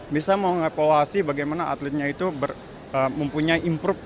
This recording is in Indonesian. bisa mengevaluasi bagaimana atletnya itu mempunyai improve